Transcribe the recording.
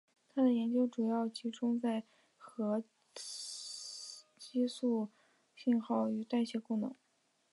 他的研究主要集中在核激素信号和代谢的功能。